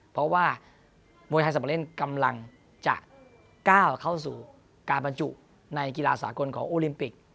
เพราะว่ามวยไทยสัปเล่นกำลังจะก้าวเข้าสู่การบรรจุในกีฬาสากลของโอลิมปิก